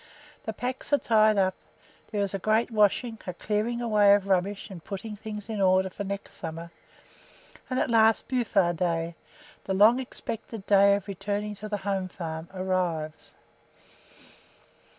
The packs are tied up; there is a great washing, a clearing away of rubbish and putting things in order for the next summer, and at last Bufar day, the long expected day of returning to the home farm, arrives.